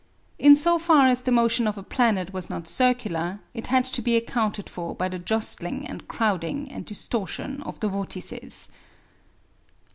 In so far as the motion of a planet was not circular, it had to be accounted for by the jostling and crowding and distortion of the vortices.